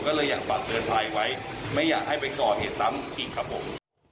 ก็เลยอยากปรับเกินภัยไว้ไม่อยากให้ไปต่อเหตุทั้งอีกครับผม